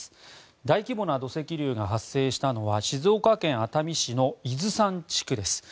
大規模な土石流が発生したのは静岡県熱海市の伊豆山地区です。